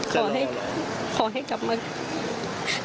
ขอให้ขอให้กลับมาเกิด